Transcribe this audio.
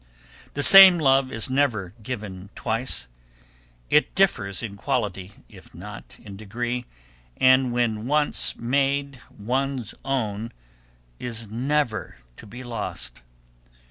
The same love is never given twice; it differs in quality if not in degree, and when once made one's own, is never to be lost.